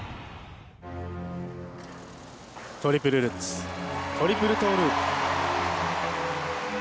トリプルルッツトリプルトーループ！